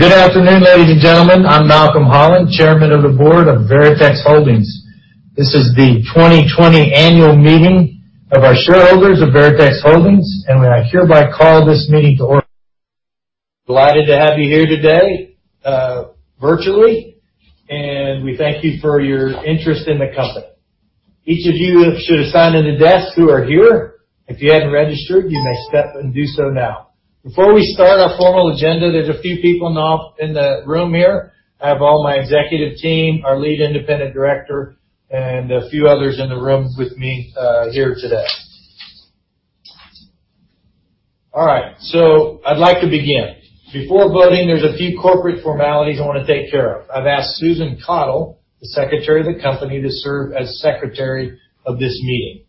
Good afternoon, ladies and gentlemen. I'm Malcolm Holland, Chairman of the Board of Veritex Holdings. This is the 2020 annual meeting of our shareholders of Veritex Holdings. I hereby call this meeting to order. Delighted to have you here today, virtually. We thank you for your interest in the company. Each of you should have signed at a desk who are here. If you hadn't registered, you may step and do so now. Before we start our formal agenda, there's a few people in the room here. I have all my executive team, our lead independent director, and a few others in the room with me here today. All right. I'd like to begin. Before voting, there's a few corporate formalities I want to take care of. I've asked Susan Caudle, the Secretary of the company, to serve as secretary of this meeting.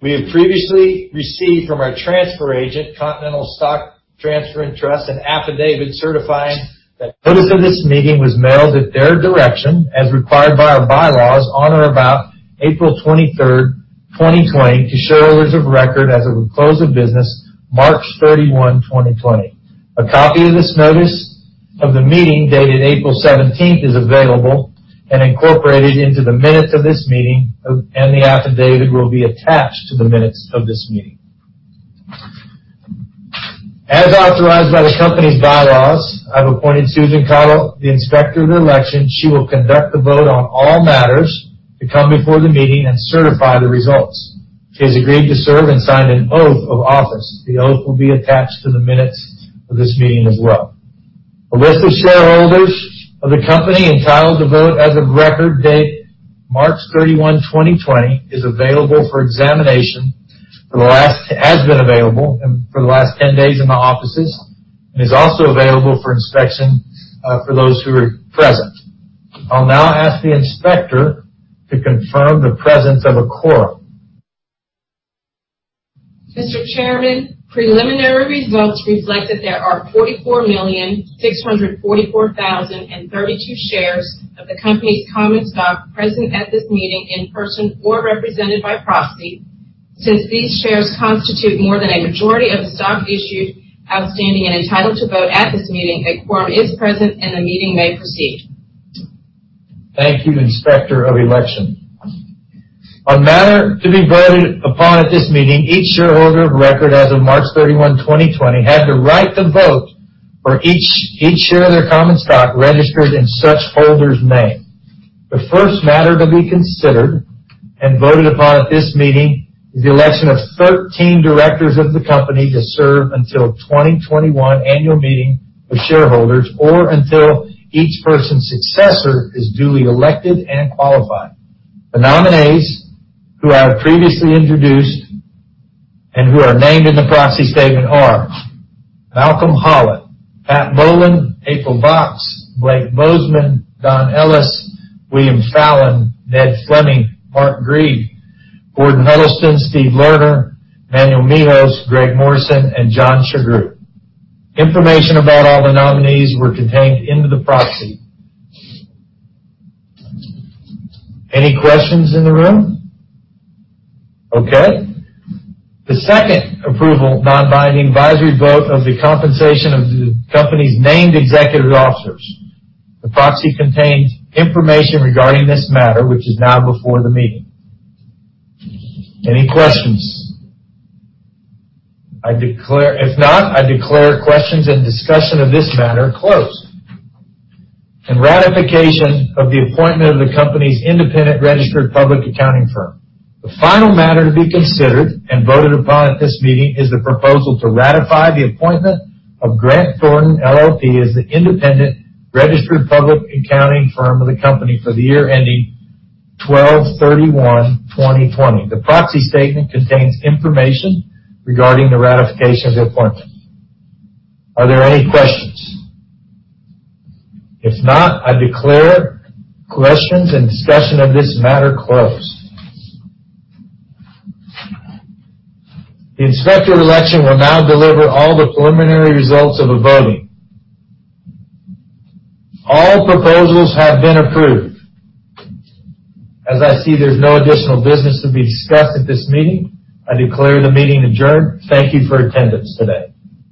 We have previously received from our transfer agent, Continental Stock Transfer & Trust, an affidavit certifying that notice of this meeting was mailed at their direction, as required by our bylaws, on or about April 23rd, 2020 to shareholders of record as of the close of business March 31, 2020. A copy of this notice of the meeting dated April 17 is available and incorporated into the minutes of this meeting. The affidavit will be attached to the minutes of this meeting. As authorized by the company's bylaws, I've appointed Susan Caudle the Inspector of Election. She will conduct the vote on all matters to come before the meeting and certify the results. She has agreed to serve and signed an oath of office. The oath will be attached to the minutes of this meeting as well. A list of shareholders of the company entitled to vote as of record date March 31, 2020 has been available for examination for the last 10 days in the offices and is also available for inspection, for those who are present. I'll now ask the Inspector to confirm the presence of a quorum. Mr. Chairman, preliminary results reflect that there are 44,644,032 shares of the company's common stock present at this meeting in person or represented by proxy. Since these shares constitute more than a majority of the stock issued, outstanding, and entitled to vote at this meeting, a quorum is present and the meeting may proceed. Thank you, Inspector of Election. On matter to be voted upon at this meeting, each shareholder of record as of March 31, 2020, had the right to vote for each share of their common stock registered in such holder's name. The first matter to be considered and voted upon at this meeting is the election of 13 directors of the company to serve until 2021 annual meeting of shareholders, or until each person's successor is duly elected and qualified. The nominees who I have previously introduced and who are named in the proxy statement are Malcolm Holland, Pat Bolin, April Box, Blake Bozman, Don Ellis, William Fallon, Ned Fleming, Mark Griege, Gordon Huddleston, Steve Lerner, Manuel Mehos, Greg Morrison, and John Sughrue. Information about all the nominees were contained into the proxy. Any questions in the room? The second approval not binding advisory vote of the compensation of the company's named executive officers. The proxy contains information regarding this matter which is now before the meeting. Any questions? If not, I declare questions and discussion of this matter closed. Ratification of the appointment of the company's independent registered public accounting firm. The final matter to be considered and voted upon at this meeting is the proposal to ratify the appointment of Grant Thornton LLP as the independent registered public accounting firm of the company for the year ending 12/31/2020. The proxy statement contains information regarding the ratification of the appointment. Are there any questions? If not, I declare questions and discussion of this matter closed. The Inspector of Election will now deliver all the preliminary results of the voting. All proposals have been approved. As I see there's no additional business to be discussed at this meeting, I declare the meeting adjourned. Thank you for attendance today.